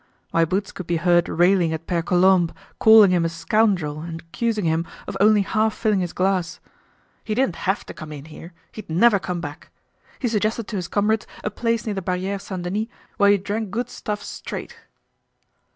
My Boots could be heard railing at Pere Colombe, calling him a scoundrel and accusing him of only half filling his glass. He didn't have to come in here. He'd never come back. He suggested to his comrades a place near the Barriere Saint Denis where you drank good stuff straight.